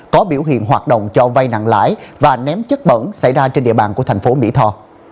có biểu hiện hoạt động cho vay nặng lãi và ném chất bẩn xảy ra trên địa bàn của thành phố mỹ tho